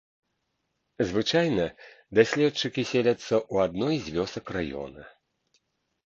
Звычайна даследчыкі селяцца ў адной з вёсак раёна.